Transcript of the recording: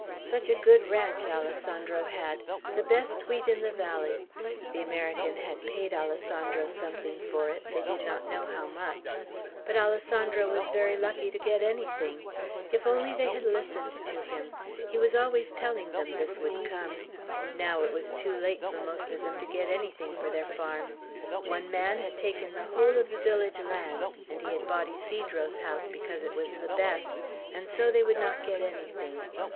Such a good ranch Alessandro had; the best wheat in the valley. The American had paid Alessandro something for it, they did not know how much; but Alessandro was very lucky to get anything. If only they had listened to him. He was always telling them this would come. Now it was too late for most of them to get anything for their farms. One man had taken the whole of the village lands, and he had bought Ysidro's house because it was the best; and so they would not get anything.